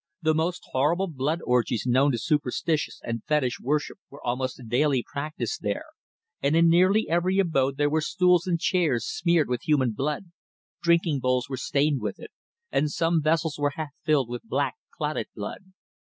The most horrible blood orgies known to superstition and fetish worship were almost daily practised there, and in nearly every abode there were stools and chairs smeared with human blood, drinking bowls were stained with it, and some vessels were half filled with black clotted blood.